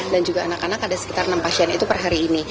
dan juga anak anak ada sekitar enam pasien itu per hari ini